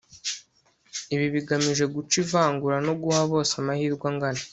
ibi bigamije guca ivangura no guha bose amahirwe angana